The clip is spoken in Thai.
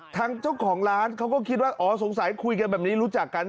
ทางเจ้าของร้านเขาก็คิดว่าอ๋อสงสัยคุยกันแบบนี้รู้จักกัน